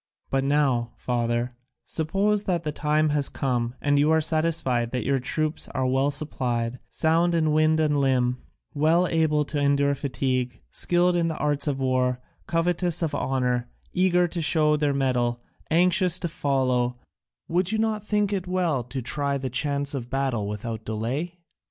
"But now, father, suppose the time has come, and you are satisfied that your troops are well supplied, sound in wind and limb, well able to endure fatigue, skilled in the arts of war, covetous of honour, eager to show their mettle, anxious to follow, would you not think it well to try the chance of battle without delay?"